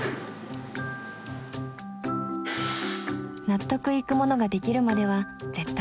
納得いくものができるまでは絶対に諦めない。